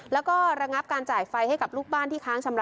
แล้วก็ระงับการจ่ายไฟให้กับลูกบ้านที่ค้างชำระ